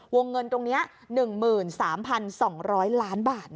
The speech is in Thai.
วงเงินตรงนี้๑๓๒๐๐ล้านบาท